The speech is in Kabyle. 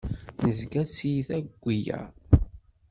Nezga d tiyita deg wiyaḍ.